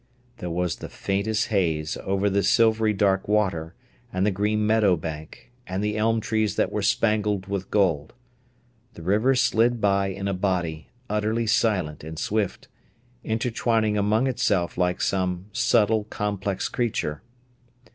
There was the faintest haze over the silvery dark water and the green meadow bank, and the elm trees that were spangled with gold. The river slid by in a body, utterly silent and swift, intertwining among itself like some subtle, complex creature.